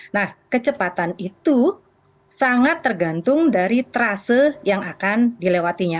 nah kecepatan itu sangat tergantung dari trase yang akan dilewatinya